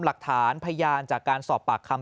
หลักฐานพยานจากการสอบปากคำ